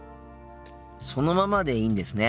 そのままでいいんですね。